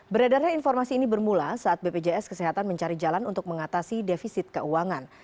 beredarnya informasi ini bermula saat bpjs kesehatan mencari jalan untuk mengatasi defisit keuangan